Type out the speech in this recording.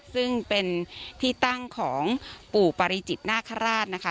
ซึ่งเป็นที่ตั้งของปู่ปริจิตนาคาราชนะคะ